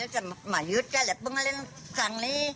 ก็มายืดได้แหละเพราะมันเล่นกลางนี้